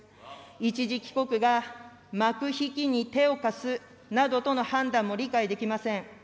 一時帰国が幕引きに手を貸すなどとの判断も理解できません。